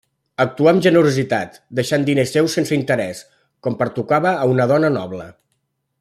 Actuà amb generositat deixant diners seus sense interès, com pertocava a una dona noble.